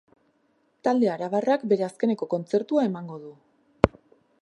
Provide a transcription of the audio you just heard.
Talde arabarrak bere azkeneko kontzertua emango du.